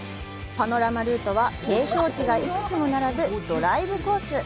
パノラマルートは景勝地が幾つも並ぶドライブコース。